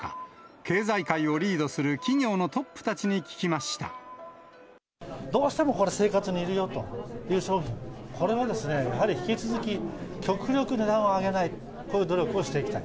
経済界をリードする企業のトップどうしてもこれ、生活にいるよという商品、これはですね、やはり引き続き、極力値段を上げないという努力をしていきたい。